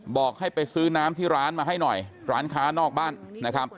บอกให้ไปซื้อน้ำที่ร้านมาให้หน่อยร้านค้านอกบ้านนะครับ